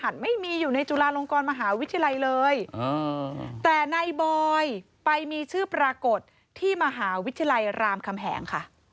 แต่นายบอยไปมีชื่อปรากฎที่มหาวิทยาลัยรามคำแห่ง